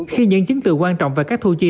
khi những chứng từ quan trọng về các thu chi